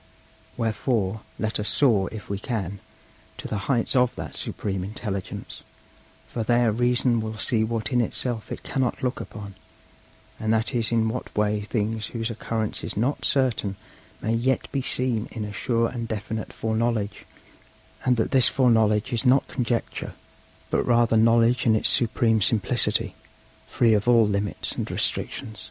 Wherefore let us soar, if we can, to the heights of that Supreme Intelligence; for there Reason will see what in itself it cannot look upon; and that is in what way things whose occurrence is not certain may yet be seen in a sure and definite foreknowledge; and that this foreknowledge is not conjecture, but rather knowledge in its supreme simplicity, free of all limits and restrictions.'